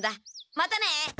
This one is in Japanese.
またね！